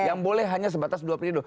yang boleh hanya sebatas dua periode